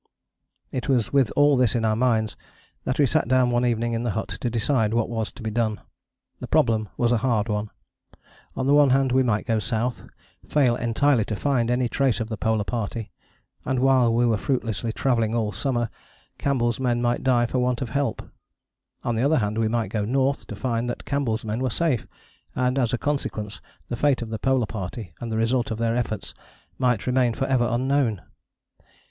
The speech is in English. It was with all this in our minds that we sat down one evening in the hut to decide what was to be done. The problem was a hard one. On the one hand we might go south, fail entirely to find any trace of the Polar Party, and while we were fruitlessly travelling all the summer Campbell's men might die for want of help. On the other hand we might go north, to find that Campbell's men were safe, and as a consequence the fate of the Polar Party and the result of their efforts might remain for ever unknown.